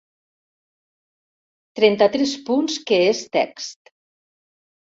Trenta-tres punts que és text.